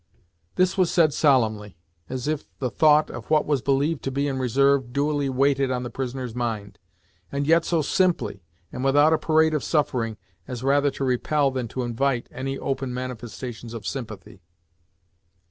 This was said solemnly, as if the thought of what was believed to be in reserve duly weighed on the prisoner's mind, and yet so simply, and without a parade of suffering, as rather to repel than to invite any open manifestations of sympathy.